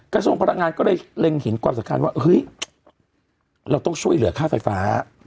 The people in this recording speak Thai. กระทร้งพันธุ์หน้างานก็ได้เลงหินความสักพันธ์ว่าเฮ้ยเราต้องช่วยเหลือค่าไฟฟ้า